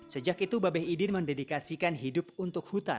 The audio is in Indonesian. sejak itu babeh idin mendedikasikan hidup untuk hutan